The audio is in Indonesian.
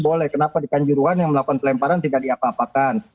boleh kenapa di kanjuruhan yang melakukan pelemparan tidak diapa apakan